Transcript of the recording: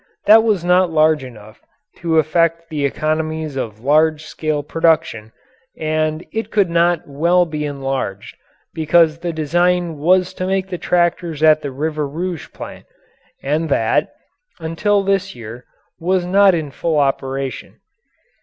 That was not large enough to affect the economies of large scale production and it could not well be enlarged because the design was to make the tractors at the River Rouge plant, and that, until this year, was not in full operation.